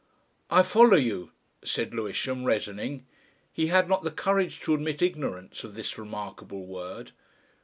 "I follow you," said Lewisham, reddening. He had not the courage to admit ignorance of this remarkable word.